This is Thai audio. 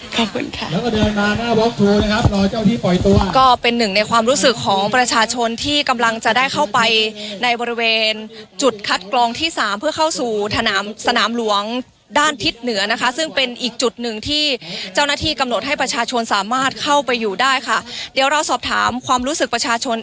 ขอบคุณค่ะก็เป็นหนึ่งในความรู้สึกของประชาชนที่กำลังจะได้เข้าไปในบริเวณจุดคัดกรองที่สามเพื่อเข้าสู่สนามสนามหลวงด้านทิศเหนือนะคะซึ่งเป็นอีกจุดหนึ่งที่เจ้าหน้าที่กำหนดให้ประชาชนสามารถเข้าไปอยู่ได้ค่ะเดี๋ยวเราสอบถามความรู้สึกประชาชน